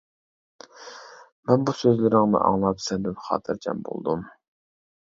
مەن بۇ سۆزلىرىڭنى ئاڭلاپ سەندىن خاتىرجەم بولدۇم.